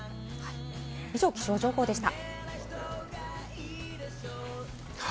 以上、気象情報でした。